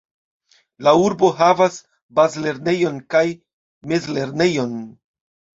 La urbo havas bazlernejon kaj mezlernejon.